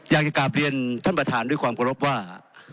อยากจะกลับเรียนท่านประธานด้วยความเคารพว่า